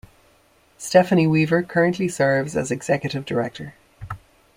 Stefanie Weaver currently serves as executive director.